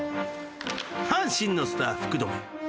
［阪神のスター福留］